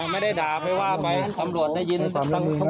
ไม่ได้ด่าไปว่าไปตำรวจได้ยินคำสูงเนี่ย